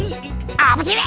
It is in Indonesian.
ih ih apa sih ini